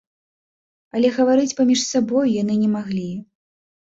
Але гаварыць паміж сабою яны не маглі.